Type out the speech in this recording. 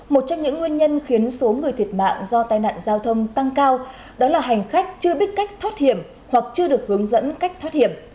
một trong những nguyên nhân khiến số người thiệt mạng do tai nạn giao thông tăng cao đó là hành khách chưa biết cách thoát hiểm hoặc chưa được hướng dẫn cách thoát hiểm